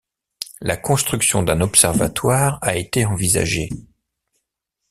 La construction d'un observatoire a été envisagée.